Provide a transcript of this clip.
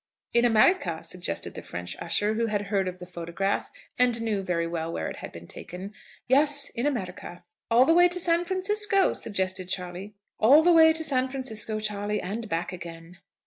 "In America," suggested the French usher, who had heard of the photograph, and knew very well where it had been taken. "Yes, in America." "All the way to San Francisco," suggested Charley. "All the way to San Francisco, Charley, and back again."